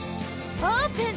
オープン！